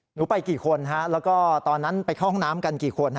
หนูไปกี่คนแล้วก็ตอนนั้นไปเข้าห้องน้ำกันกี่คน